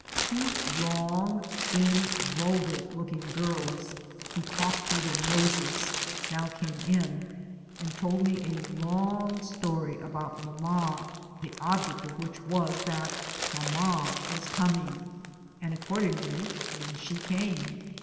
Two long, thin, vulgar4ooking girls, who talked through their noses, now came in, and told me a long story about *^ mamma,^' the object of which was, that mamma was coming, and accord ingly in she came.